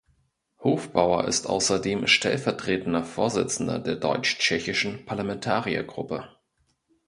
Hofbauer ist außerdem stellvertretender Vorsitzender der Deutsch-Tschechischen Parlamentariergruppe.